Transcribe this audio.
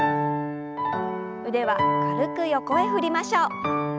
腕は軽く横へ振りましょう。